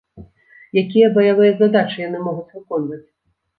Якія баявыя задачы яны могуць выконваць?